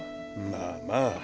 まあまあ。